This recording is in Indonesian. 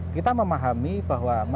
kita memahami bahwa masyarakat